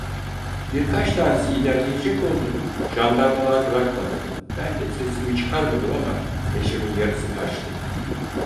Birkaç tanesi ilerleyecek oldu, jandarmalar bırakmadı, ben de sesimi çıkarmadım ama neşemin yarısı kaçtı.